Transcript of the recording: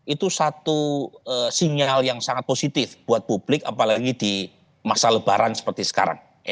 itu satu sinyal yang sangat positif buat publik apalagi di masa lebaran seperti sekarang